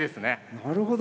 なるほど。